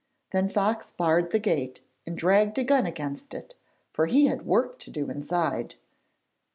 Then Fox barred the gate and dragged a gun against it, for he had work to do inside.